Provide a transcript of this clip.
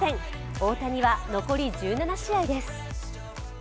大谷は残り１７試合です。